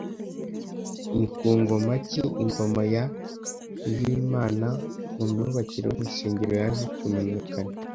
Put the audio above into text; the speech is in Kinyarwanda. Ni ku ngoma ki ingoma ya Vimana mu myubakire y'urusengero yaje kumenyekana